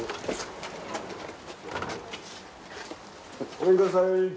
ごめんください。